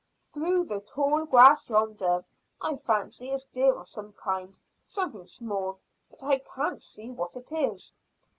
"Through the tall grass yonder. I fancy it's deer of some kind; something small, but I can't see what it is."